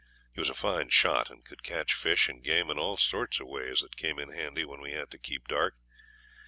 He was a fine shot, and could catch fish and game in all sorts of ways that came in handy when we had to keep dark.